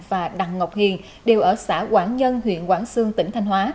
và đặng ngọc hiền đều ở xã quảng nhân huyện quảng sương tỉnh thanh hóa